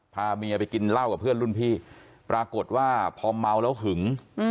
พาเมียไปกินเหล้ากับเพื่อนรุ่นพี่ปรากฏว่าพอเมาแล้วหึง